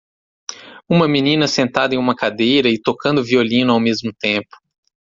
Uma menina sentada em uma cadeira e tocando violino ao mesmo tempo.